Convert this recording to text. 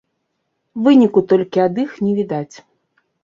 Выніку толькі ад іх не відаць.